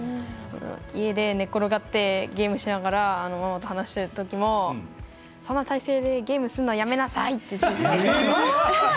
家で寝っ転がってゲームしながら話してるときも「そんな体勢でゲームするのはやめなさい！」っていわれます。